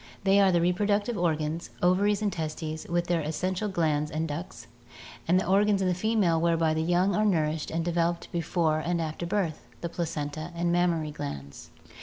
They are the reproductive organs, ovaries and testes, with their essential glands and ducts, and the organs in the female whereby the young are nourished and devel oped before and after birth, the placenta and mammary glands.